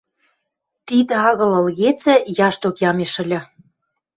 Тидӹ агыл ылгецӹ, яшток ямеш ыльы...